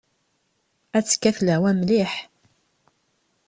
Ad tekkat lehwa mliḥ.